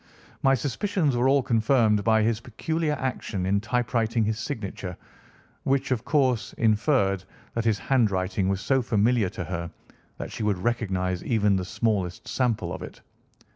My suspicions were all confirmed by his peculiar action in typewriting his signature, which, of course, inferred that his handwriting was so familiar to her that she would recognise even the smallest sample of it.